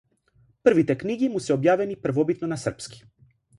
Првите книги му се објавени првобитно на српски.